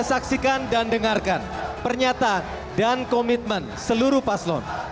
saksikan dan dengarkan pernyataan dan komitmen seluruh paslon